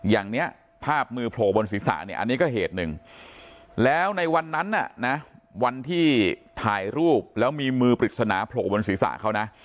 อย่างนี้ภาพมือโผล่บนศีรษะเนี่ยอันนี้ก็เหตุหนึ่งแล้วในวันนั้นน่ะนะวันที่ถ่ายรูปแล้วมีมือปริศนาโผล่บนศีรษะเขานะ